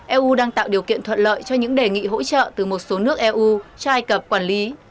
eu đang tạo điều kiện thuận lợi cho những đề nghị hỗ trợ từ một số nước eu cho ai cập quản lý